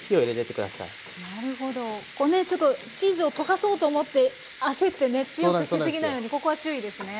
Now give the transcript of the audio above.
なるほどこうねちょっとチーズを溶かそうと思って焦ってね強くしすぎないようにここは注意ですね。